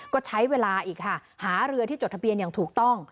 ก็ใช้เวลาอีกค่ะหาเรือที่จดทะเบียนอย่างถูกต้อง